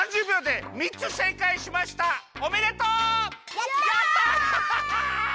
やった！